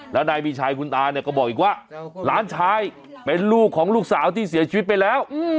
แล้วนายมีชัยคุณตาเนี่ยก็บอกอีกว่าหลานชายเป็นลูกของลูกสาวที่เสียชีวิตไปแล้ว